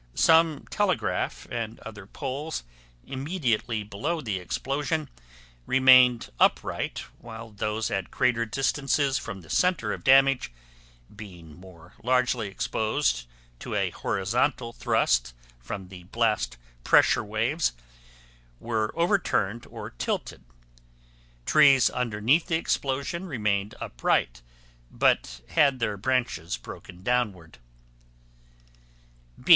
Some telegraph and other poles immediately below the explosion remained upright while those at greater distances from the center of damage, being more largely exposed to a horizontal thrust from the blast pressure waves, were overturned or tilted. Trees underneath the explosion remained upright but had their branches broken downward.